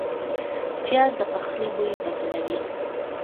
پیاز د پخلي بوی بدلوي